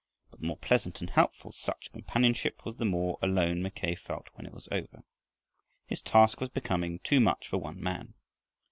But the more pleasant and helpful such companionship was the more alone Mackay felt when it was over. His task was becoming too much for one man.